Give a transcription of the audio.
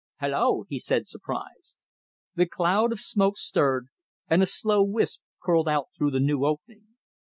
"Hallo!" he said, surprised. The cloud of smoke stirred, and a slow wisp curled out through the new opening.